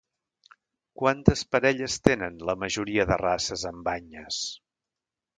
Quantes parelles tenen la majoria de races amb banyes?